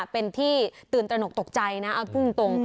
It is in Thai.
เป็นที่ตื่นตระหนกตกใจนะเอาพูดตรง